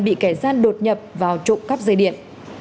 bị kẻ gian đột nhập vào trộm cắp dây điện